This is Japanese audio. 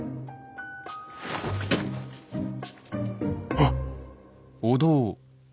あっ！